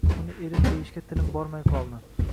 Uni erim deyishga tilim bormay qoldi